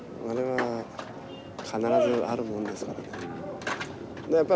あれは必ずあるもんですからね。